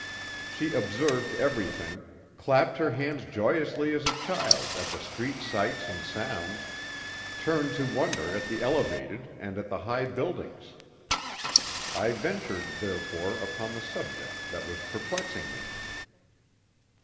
She observed everything, clapped her hands joyously as a child at the street sights and sounds, turned to wonder at the elevated and at the high buildings. I ventured, therefore, upon the subject that was perplexing me.